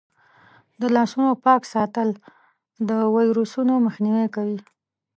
د لاسونو پاک ساتل د ویروسونو مخنیوی کوي.